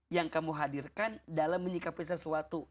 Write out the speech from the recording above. yang kamu hadirkan dalam menyikapi sesuatu